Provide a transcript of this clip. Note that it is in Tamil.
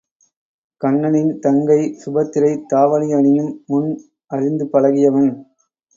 கண்ணனின் தங்கை சுபத்திரை தாவணி அணியும் முன் அறிந்து பழகியவன்.